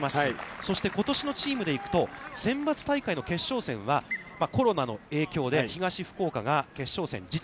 そして、ことしのチームでいくと、選抜大会の決勝戦はコロナの影響で、東福岡が決勝戦を辞退。